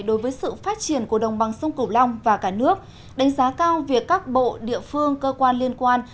đối với sự phát triển của đồng bằng sông cửu long và cả nước đánh giá cao việc các bộ địa phương cơ quan liên quan